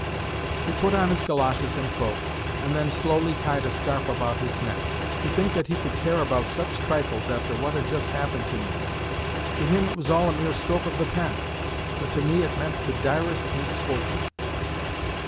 He put on his goloshes and cloak, and then slowly tied a scarf about his neck. To think that he could care about such trifles after what had just happened to me! To him it was all a mere stroke of the pen, but to me it meant the direst misfortune.